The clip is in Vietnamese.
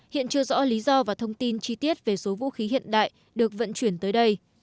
hiện chưa rõ lý do và thông tin chi tiết về số vũ khí hiện đại được vận chuyển tới đây